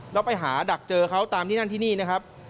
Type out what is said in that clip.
แล้วไปหาดักเจอเขาตามที่นั่นที่นี่นะครับ